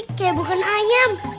kayak bukan ayam